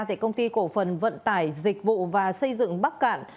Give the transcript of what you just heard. tại công ty cổ phần vận tải dịch vụ và xây dựng bắc cạn